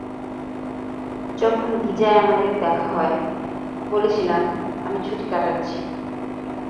যখন গিজায় আমাদের দেখা হয়, বলেছিলাম আমি ছুটি কাটাচ্ছি।